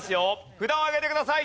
札を上げてください。